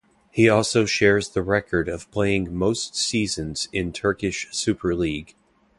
He also shares the record of playing most seasons in Turkish Super League.